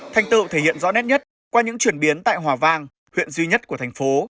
thành tựu thể hiện rõ nét nhất qua những chuyển biến tại hòa vang huyện duy nhất của thành phố